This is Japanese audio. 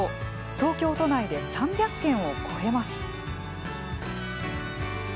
東京都内で３００軒を超えます。